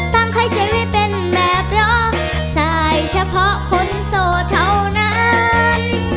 ตั้งใครใจไว้เป็นแบบรอสายเฉพาะคนโสดเท่านั้น